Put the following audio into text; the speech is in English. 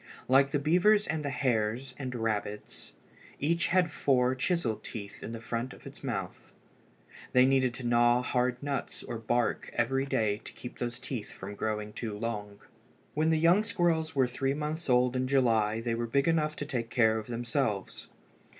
Like the beavers and the hares and rabbits each had four chisel teeth in the front of its mouth. They needed to gnaw hard nuts or bark every day to keep these teeth from growing too long. When the young squirrels were three months old in July they were big enough to take care of themselves.